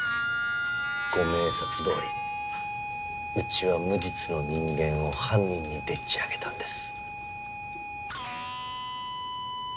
ご明察どおりうちは無実の人間を犯人にでっちあげたんです。